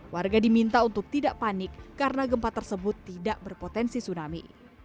warga diminta untuk tidak panik karena gempa tersebut tidak berpotensi tsunami